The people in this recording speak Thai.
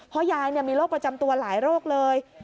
เพราะยายมีโรคประจำตัวหลายโรคเลย